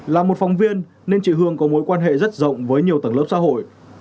là một phóng viên nên chị hương có mối quan hệ rất rộng với nhiều tầng lớp xã hội